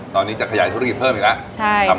ตอนนี้จะขยายธุรกิจเพิ่มอีกแล้ว